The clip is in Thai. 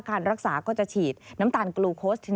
การรักษาก็จะฉีดน้ำตาลกลูโค้ช